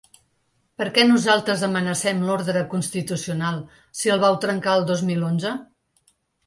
“Per què nosaltres amenacem l’ordre constitucional si el vau trencar el dos mil onze?”